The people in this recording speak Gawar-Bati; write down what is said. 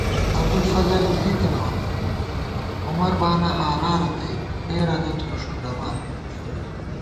ابُوالفضل ہِلی تَنہ عمربا نہ ہارا رتئ ݪے ردہ تھوئی ݭُنڈَمان